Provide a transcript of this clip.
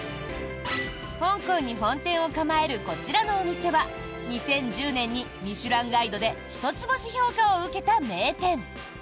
香港に本店を構えるこちらのお店は２０１０年に「ミシュランガイド」で１つ星評価を受けた名店。